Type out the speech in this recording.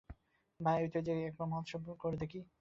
ভায়া, ঐ তেজে একবার মহোৎসব কর দিকি।